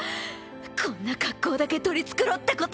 こんな格好だけ取り繕ったこと。